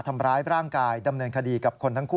ไปที่สเกพงนะครับ